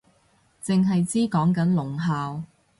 剩係知講緊聾校